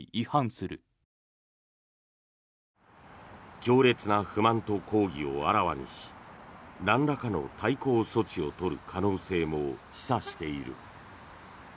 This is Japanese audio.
強烈な不満と抗議をあらわにしなんらかの対抗措置を取る可能性も示唆している。